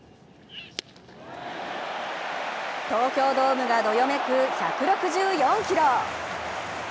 東京ドームがどよめく１６４キロ。